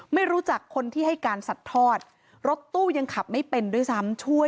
ไม่รู้จักคนที่ให้การสัดทอดรถตู้ยังขับไม่เป็นด้วยซ้ำช่วย